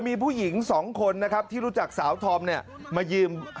มีผู้หญิงสองคนนะครับที่รู้จักสาวธอมเนี่ยมายืม